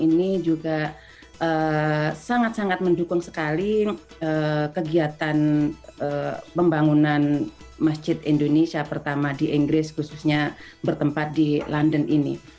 ini juga sangat sangat mendukung sekali kegiatan pembangunan masjid indonesia pertama di inggris khususnya bertempat di london ini